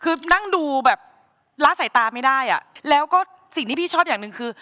คือนั่งดูแบบละสายตาไม่ได้อ่ะแล้วก็สิ่งที่พี่ชอบอย่างหนึ่งคือ